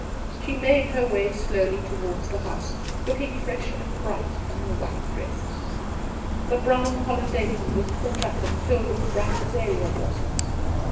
She made her way slowly towards the Two Christmas Days 199 house, looking fresh and bright in her white dress. The brown holland apron was caught up and filled with bright azalea blossoms.